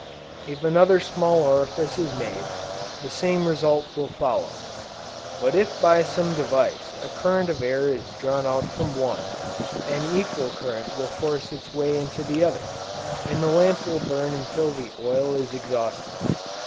If another small orifice is made, the same result will follow; but if by some device a current of air is drawn out from one, an equal current will force its way into the other, and the lamp will burn until the oil is exhausted.